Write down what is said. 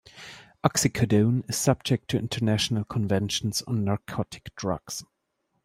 Oxycodone is subject to international conventions on narcotic drugs.